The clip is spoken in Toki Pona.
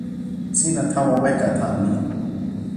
sina tawa weka tan mi.